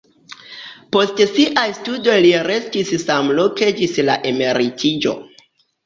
Post siaj studoj li restis samloke ĝis la emeritiĝo.